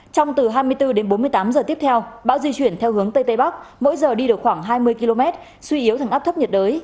trong từ hai mươi bốn đến bốn mươi tám giờ tiếp theo bão di chuyển theo hướng tây tây bắc mỗi giờ đi được khoảng hai mươi km suy yếu thành áp thấp nhiệt đới